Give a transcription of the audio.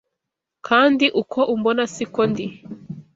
Kandi uko umbona siko ndi